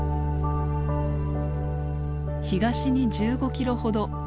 東に１５キロほど。